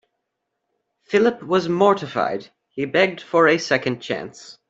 Philip was mortified. He begged for a second chance.